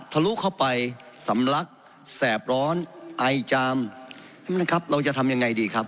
ทะลุเข้าไปสำลักแสบร้อนไอจามท่านประธานครับเราจะทำยังไงดีครับ